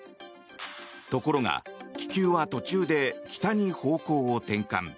ところが、気球は途中で北に方向を転換。